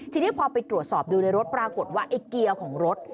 ทีนี้พอไปตรวจสอบดูในรถปรากฏว่าไอ้เกียร์ของรถ